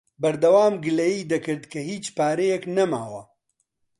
بەردەوام گلەیی دەکرد کە هیچ پارەیەک نەماوە.